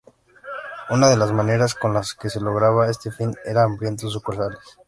Una de las maneras con las que se lograba este fin era abriendo sucursales.